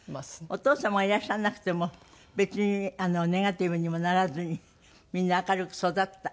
お父様がいらっしゃらなくても別にネガティブにもならずにみんな明るく育った。